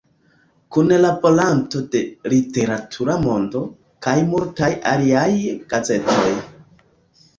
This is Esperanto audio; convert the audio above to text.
Kunlaboranto de "Literatura Mondo" kaj multaj aliaj gazetoj.